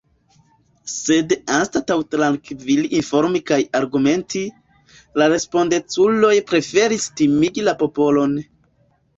Sed anstataŭ trankvile informi kaj argumenti, la respondeculoj preferis timigi la popolon.